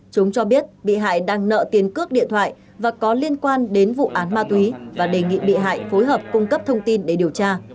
chúng cho biết bị hại đang nợ tiền cước điện thoại và có liên quan đến vụ án ma túy và đề nghị bị hại phối hợp cung cấp thông tin để điều tra